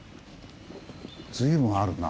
随分あるな。